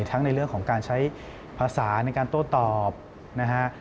ทั้งในเรื่องของการใช้ภาษาในการโต้ตอบนะฮะ